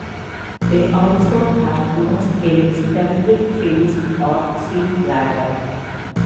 They also have no scales, pelvic fins or swim bladder.